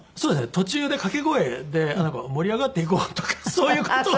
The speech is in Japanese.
途中で掛け声で盛り上がっていこうとかそういう事を。